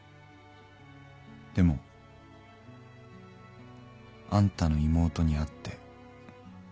でもあんたの妹に会って変わった。